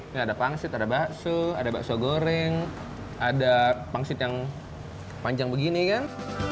ini ada pangsit ada bakso ada bakso goreng ada pangsit yang panjang begini kan